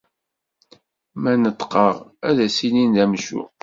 Ma neṭqeɣ ad as-inin d amcum.